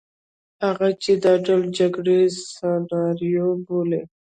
هغه چې دا ډول جګړې سناریو بولي.